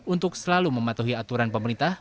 untuk selalu mematuhi aturan pemerintah